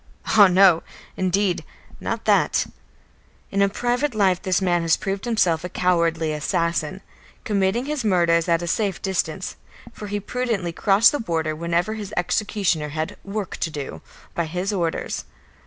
Ah, no indeed; not that! In private life this man has proved himself a cowardly assassin, committing his murders from a safe distance, for he prudently crossed the border whenever his executioner had "work to do" by his orders.